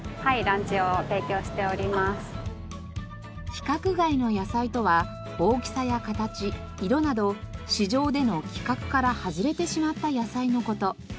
規格外の野菜とは大きさや形色など市場での規格から外れてしまった野菜の事。